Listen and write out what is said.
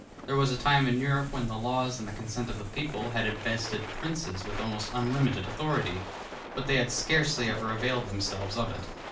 There was a time in Europe when the laws and the consent of the people had invested princes with almost unlimited authority; but they scarcely ever availed themselves of it.